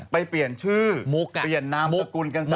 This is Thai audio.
ไปเปลี่ยนชื่อเปลี่ยนนามกุลกันซะ